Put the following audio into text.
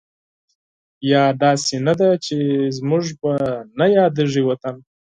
نه، داسې نه ده چې زموږ به نه یادېږي وطن